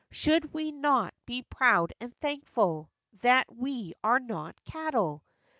Should we not be proud and thankful That we are not cattle